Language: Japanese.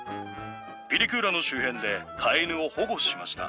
ピリクーラの周辺で飼い犬を保護しました。